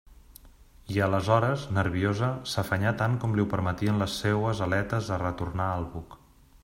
I aleshores, nerviosa, s'afanyà tant com li ho permetien les seues aletes a retornar al buc.